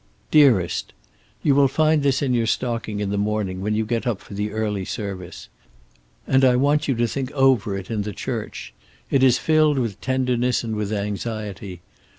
"Dearest: You will find this in your stocking in the morning, when you get up for the early service. And I want you to think over it in the church. It is filled with tenderness and with anxiety.